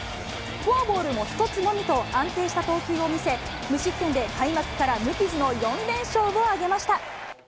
フォアボールも１つのみと、安定した投球を見せ、無失点で開幕から無傷の４連勝を挙げました。